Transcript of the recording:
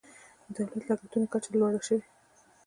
د دولت لګښتونو کچه لوړه شوه.